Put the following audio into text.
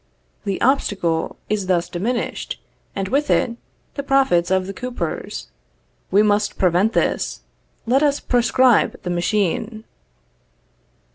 The obstacle is thus diminished, and with it the profits of the coopers. We must prevent this. Let us proscribe the machine!